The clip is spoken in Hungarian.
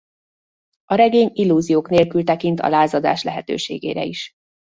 A regény illúziók nélkül tekint a lázadás lehetőségére is.